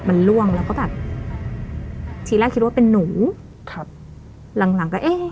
มันล่วงแล้วก็แบบทีแรกคิดว่าเป็นหนูครับหลังหลังก็เอ๊ะ